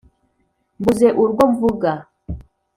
mbuze urwo mvuga